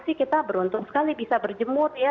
sih kita beruntung sekali bisa berjemur ya